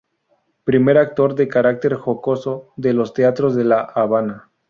Primer actor de carácter jocoso de los teatros de la Habana.